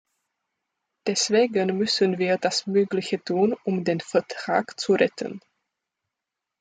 Deswegen müssen wir das Mögliche tun, um den Vertrag zu retten.